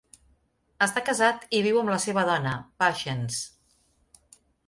Està casat i viu amb la seva dona, Patience.